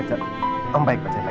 si buruk rupa